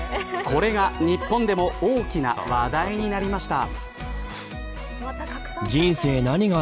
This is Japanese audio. これが日本でも大きな話題になりました。